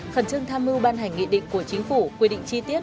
khẩn trương tham mưu ban hành nghị định của chính phủ quy định chi tiết